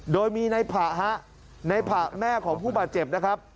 โดยมีในผละผละแม่ของผู้บาดเจ็บ